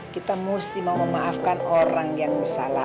kita mesti mau memaafkan orang yang salah